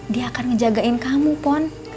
dia akan ngejagain kamu pon